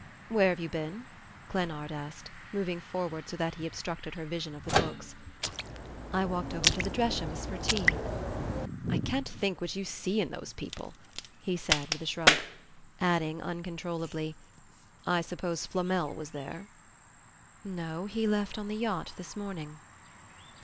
"Where have you been?" Glennard asked, moving forward so that he obstructed her vision of the books. "I walked over to the Dreshams for tea." "I can't think what you see in those people," he said with a shrug; adding, uncontrollably "I suppose Flamel was there?" "No; he left on the yacht this morning."